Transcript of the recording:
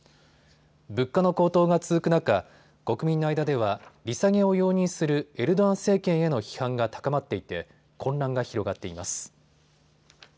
物価の高騰が続く中、国民の間では利下げを容認するエルドアン政権への批判が高まっていて混乱が広がっています。